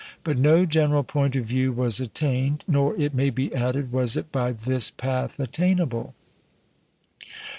But no general point of view was attained; nor, it may be added, was it by this path attainable.